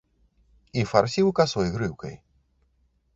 І фарсіў касой грыўкай.